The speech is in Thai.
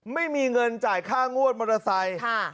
ไม่มีเงินจ่ายค่างวดมอเตอร์ไซค์